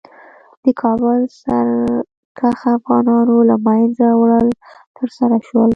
د کابل سرکښه افغانانو له منځه وړل ترسره شول.